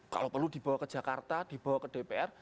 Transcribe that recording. kalau perlu dibawa ke jakarta dibawa ke dpr